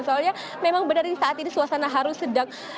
soalnya memang benar saat ini suasana harus sedang